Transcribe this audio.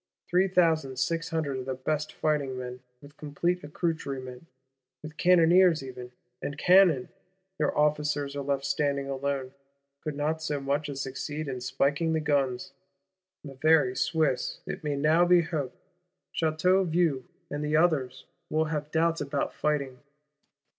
Three thousand six hundred of the best fighting men, with complete accoutrement; with cannoneers even, and cannon! Their officers are left standing alone; could not so much as succeed in "spiking the guns." The very Swiss, it may now be hoped, Château Vieux and the others, will have doubts about fighting.